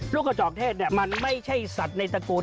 กระจอกเทศมันไม่ใช่สัตว์ในตระกูล